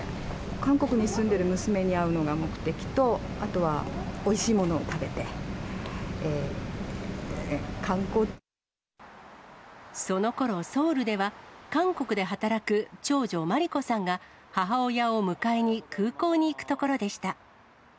韓国に住んでいる娘に会うのが目的と、あとは、おいしいものを食そのころ、ソウルでは、韓国で働く長女、茉莉子さんが母親を迎えに空港に行くところでした。